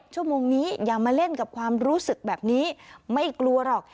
ชั่วโมงนี้อย่ามาเล่นกับความรู้สึกแบบนี้ไม่กลัวหรอก